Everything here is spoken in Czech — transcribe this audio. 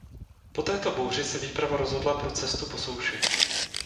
Po této bouři se výprava rozhodla pro cestu po souši.